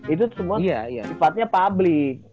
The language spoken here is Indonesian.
itu semua sifatnya publik